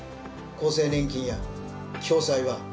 厚生年金や共済は。